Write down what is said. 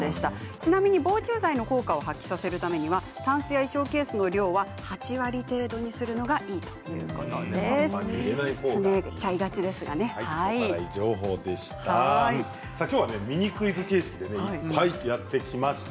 ちなみに防虫剤の効果を発揮させるためにはたんすや衣装ケースの量は８割程度にするといいということでした。